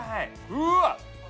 うわっ！